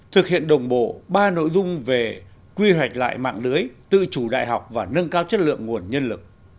thực hiện đồng bộ ba nội dung về quy hoạch lại mạng lưới tự chủ đại học và nâng cao chất lượng nguồn nhân lực